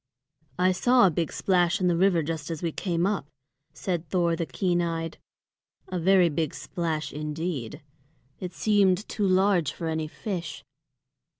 "I saw a big splash in the river just as we came up," said Thor the keen eyed, "a very big splash indeed. It seemed too large for any fish."